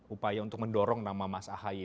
upaya untuk mendorong nama mas ahy